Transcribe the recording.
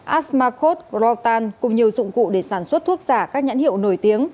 as marcos grotan cùng nhiều dụng cụ để sản xuất thuốc giả các nhãn hiệu nổi tiếng